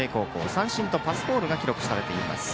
三振とパスボールが記録されています。